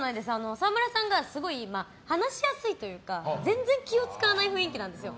沢村さんがすごい話しやすいというか全然気を使わない雰囲気なんですよ。